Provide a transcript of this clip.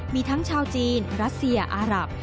มีทั้งชาวจีนรัสเซียอารับ